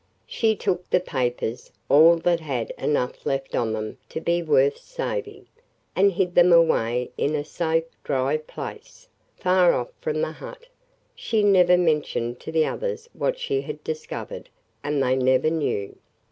She took the papers – all that had enough left of them to be worth saving, – and hid them away in a safe, dry place, far off from the hut. She never mentioned to the others what she had discovered and they never knew.